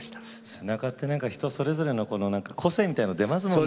背中って人それぞれの個性みたいなの出ますもんね。